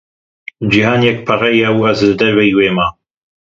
Cîhan yekpare ye û ez li derveyî wê me.